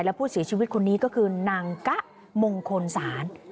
และผู้เสียชีวิตคนนี้ก็คือนางกะมงคลศาล